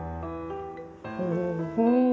お！